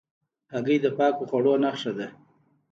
هګۍ د پاکو خواړو نښه ده.